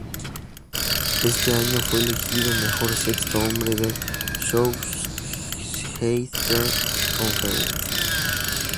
Ese año fue elegido mejor sexto hombre de la Southeastern Conference.